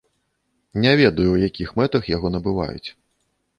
Не ведаю, у якіх мэтах яго набываюць.